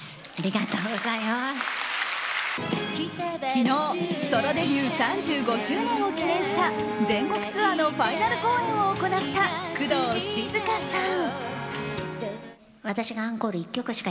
昨日、ソロデビュー３５周年を記念した全国ツアーのファイナル公演を行った工藤静香さん。